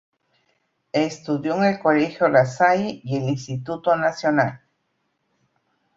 Estudió en el colegio La Salle y el Instituto Nacional.